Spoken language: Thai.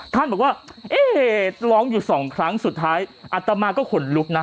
ท่านบอกว่าเอ๊ะร้องอยู่สองครั้งสุดท้ายอัตมาก็ขนลุกนะ